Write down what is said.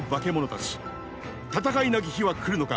戦いなき日は来るのか。